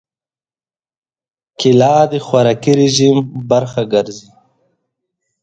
کېله د خوراکي رژیم برخه ګرځي.